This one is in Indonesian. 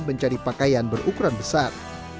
mencari pakaian berukuran besar